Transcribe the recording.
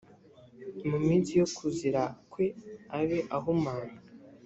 mu minsi yo kuzira kwe abe ahumanye